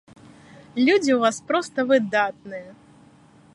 Людзі ў вас проста выдатныя!